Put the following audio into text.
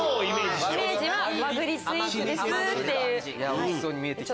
おいしそうに見えて来た。